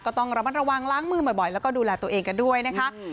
ก็ต้องระมัดระวังล้างมือบ่อยแล้วก็ดูแลตัวเองกันด้วยนะคะ